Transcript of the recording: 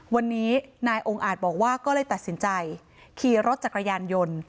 วันนี้นายองค์อาจบอกว่าก็เลยตัดสินใจขี่รถจักรยานยนต์